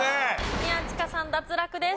宮近さん脱落です。